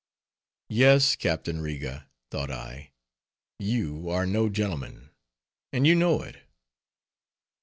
Yes, Captain Riga, thought I, you are no gentleman, and you know it!